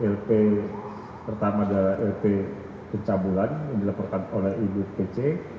lp pertama adalah lp pencabulan yang dilaporkan oleh ibu pc